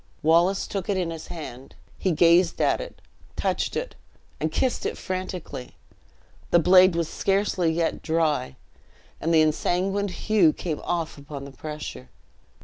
Wallace took it in his hand. He gazed at it, touched it, and kissed it frantically. The blade was scarcely yet dry, and the ensanguined hue came off upon the pressure.